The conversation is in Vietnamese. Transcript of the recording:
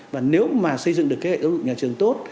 và nếu mà xây dựng được cái kế hoạch dạy học ở nhà trường tốt